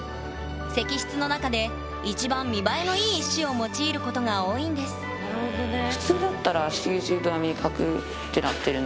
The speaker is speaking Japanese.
石室の中で一番見栄えのいい石を用いることが多いんですなるほどね。